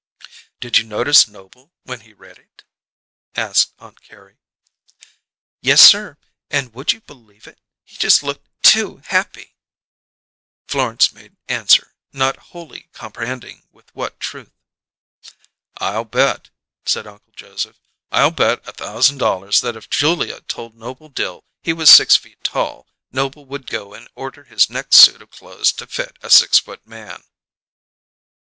"Did you notice Noble when he read it?" asked Aunt Carrie. "Yessir! And would you believe it; he just looked too happy!" Florence made answer, not wholly comprehending with what truth. "I'll bet," said Uncle Joseph; "I'll bet a thousand dollars that if Julia told Noble Dill he was six feet tall, Noble would go and order his next suit of clothes to fit a six foot man."